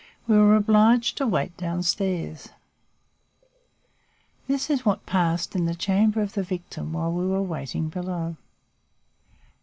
We were obliged to wait down stairs. This is what passed in the chamber of the victim while we were waiting below.